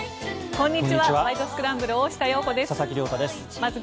こんにちは。